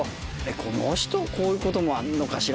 この人こういう事もあるのかしら？